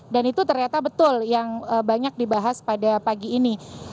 dan itu ternyata betul yang banyak dibahas pada pagi ini